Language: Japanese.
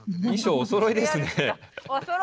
おそろいですね。